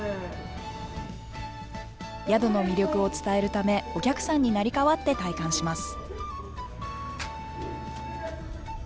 宿の魅力を伝えるため、お客さんに成り代わって体感します。